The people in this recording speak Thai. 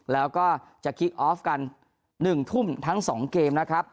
แล้วก็จะคิกออฟกัน๑ทุ่มทั้ง๒เกมนะครับ